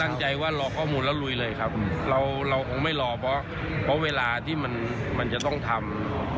ตั้งใจว่ารอข้อมูลแล้วลุยเลยครับเราเราคงไม่รอเพราะเพราะเวลาที่มันมันจะต้องทำ